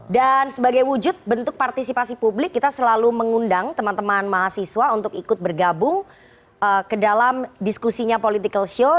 dan sebagai wujud bentuk partisipasi publik kita selalu mengundang teman teman mahasiswa untuk ikut bergabung ke dalam diskusinya political show